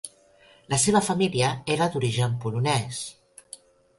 La seva família era d'origen polonès.